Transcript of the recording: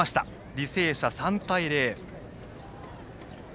履正社が３対０。